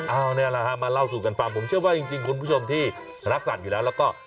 เอานี่แหละฮะมาเล่าสู่กันฟังผมเชื่อว่าจริงคุณผู้ชมที่รักสัตว์อยู่แล้วแล้วก็